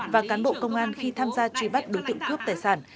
và cán bộ công an khi tham gia truy bắt đối tượng cướp tài sản